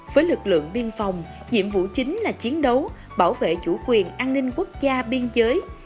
với lực lượng biên phòng nhiệm vụ chính là chiến đấu bảo vệ chủ quyền an ninh quốc gia biên giới